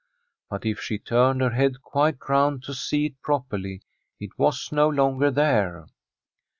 But if she turned her head quite round to see it properly, it was no longer there.